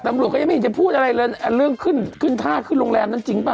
ตำรวจก็ยังไม่เห็นจะพูดอะไรเลยเรื่องขึ้นขึ้นท่าขึ้นโรงแรมนั้นจริงป่